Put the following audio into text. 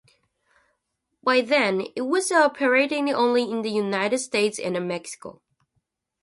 By then, it was operating only in the United States and Mexico.